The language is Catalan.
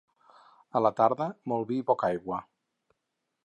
A la tarda, molt vi i poca aigua.